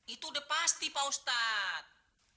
itu udah pasti pak ustadz